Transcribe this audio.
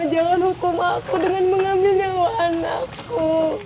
jalan hukum aku dengan mengambil nyawa anakku